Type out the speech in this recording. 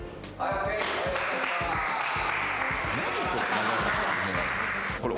何これ？